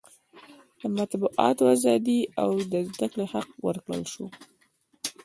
د مطبوعاتو ازادي او د زده کړې حق ورکړل شو.